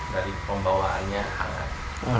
dari pembawaannya hangat